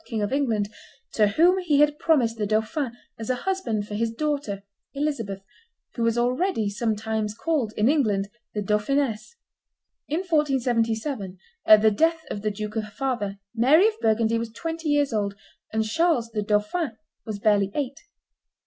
King of England, to whom he had promised the dauphin as a husband for his daughter Elizabeth, who was already sometimes called, in England, the Dauphiness. In 1477, at the death of the duke her father, Mary of Burgundy was twenty years old, and Charles, the dauphin, was barely eight.